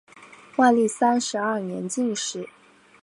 万历三十二年进士。